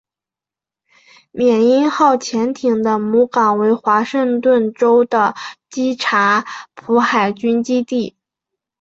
缅因号潜艇的母港为华盛顿州的基察普海军基地。